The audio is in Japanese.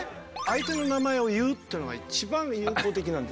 相手の名前を言うっていうのが一番有効的なんです。